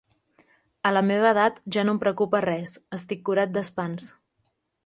A la meva edat ja no em preocupa res, estic curat d'espants.